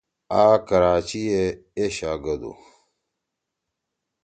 آ کراچی ئے ایشا گدُو۔